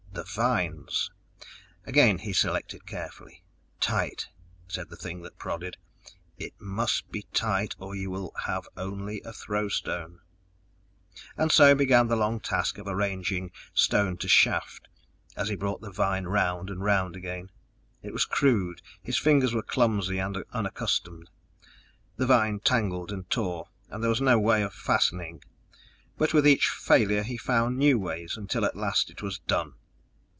The vines! Again he selected carefully. Tight, said the thing that prodded, it must be tight or you will have only a throw stone. And so began the long task of arranging stone to shaft, as he brought the vine round and round again. It was crude; his fingers were clumsy and unaccustomed; the vine tangled and tore, and there was no way of fastening. But with each failure he found new ways, until at last it was done.